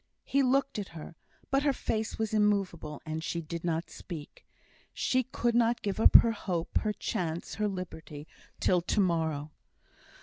He looked at her, but her face was immovable, and she did not speak. She could not give up her hope, her chance, her liberty till to morrow.